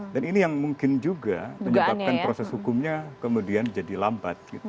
dan ini yang mungkin juga menyebabkan proses hukumnya kemudian jadi lambat